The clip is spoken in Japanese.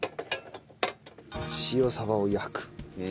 塩サバを焼く。